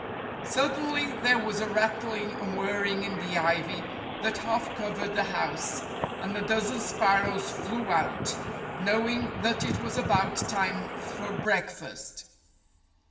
Suddenly there was a rattling and whirring in the ivy that half covered the house, and a dozen sparrows flew out, knowing that it was about time for break fast.